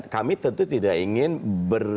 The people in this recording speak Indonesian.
kami tentu tidak ingin ber